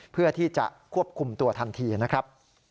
เพื่อที่จะควบคุมตัวทันทีนะครับ